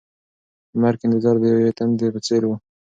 د مرګ انتظار د یوې تندې په څېر و.